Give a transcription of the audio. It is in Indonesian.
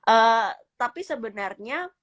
eh tapi sebenarnya